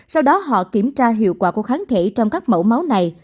sau đó họ kiểm tra hiệu quả của kháng thể trong các mẫu máu này